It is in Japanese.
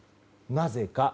なぜか。